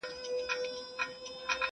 زمانه که دي په رایه نه ځي خیر دی,